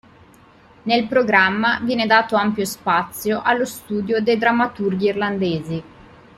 Nel programma viene dato ampio spazio allo studio dei drammaturghi irlandesi.